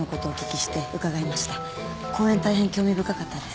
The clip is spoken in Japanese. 講演大変興味深かったです